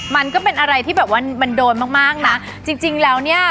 มันก็เป็นอะไรที่แบบว่ามันโดนมากมากนะจริงจริงแล้วเนี่ย